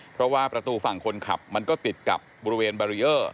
เพราะว่าประตูฝั่งคนขับมันก็ติดกับบริเวณบารีเออร์